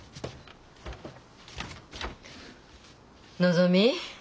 のぞみ